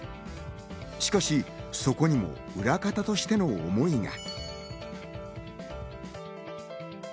しかし、そこには裏方としての思いが。